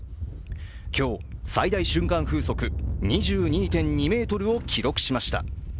今日、最大瞬間風速２２．２メートルを記録しました。